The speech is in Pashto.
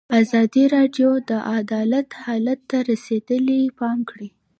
ازادي راډیو د عدالت حالت ته رسېدلي پام کړی.